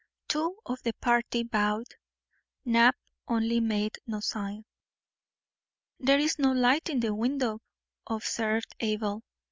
Two of the party bowed; Knapp, only, made no sign. "There is no light in the window," observed Abel.